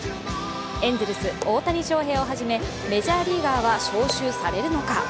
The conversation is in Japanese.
エンゼルス・大谷翔平をはじめメジャーリーガーは招集されるのか。